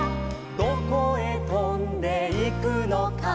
「どこへとんでいくのか」